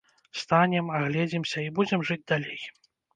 Станем, агледзімся, і будзем жыць далей.